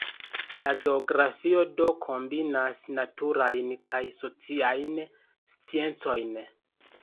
La geografio do kombinas naturajn kaj sociajn sciencojn.